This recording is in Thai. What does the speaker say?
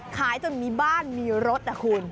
จนมีบ้านมีรถนะคุณ